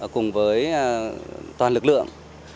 cùng với toàn lực lượng